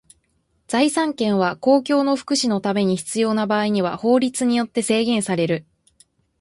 財産権は公共の福祉のために必要な場合には法律によって制限される。